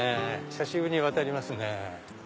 久しぶりに渡りますね。